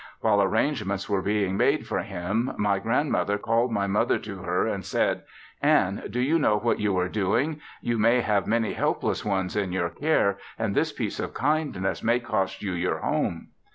While arrangements were being made for him my grandmother called my mother to her and said, "Anne, do you know what you are doing, you have many helpless ones in your care and this piece of kindness may cost you your home?"